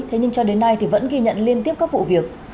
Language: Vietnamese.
thế nhưng cho đến nay thì vẫn ghi nhận liên tiếp các vụ việc